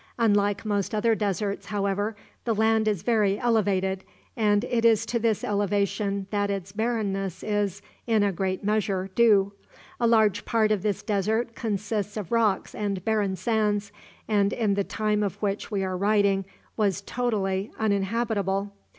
Unlike most other great deserts, however, the land is very elevated, and it is to this elevation that its barrenness is, in a great measure, due. A large part of this desert consists of rocks and barren sands, and, in the time of which we are writing, was totally uninhabitable.